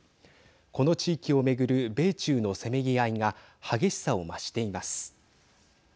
この地域をめぐる米中のせめぎ合いが激しさを増しています。